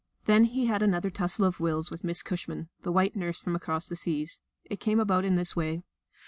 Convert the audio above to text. Then he had another tussle of wills with Miss Cushman, the white nurse from across the seas. It came about in this way.